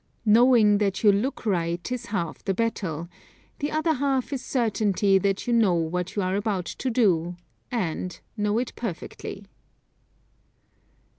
Knowing that you look right is half the battle; the other half is the certainty that you know what you are about to do and know it perfectly.